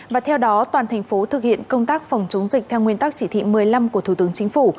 và theo đó toàn thành phố thực hiện công tác phòng chống dịch theo nguyên tắc chỉ thị một mươi năm của thủ tướng chính phủ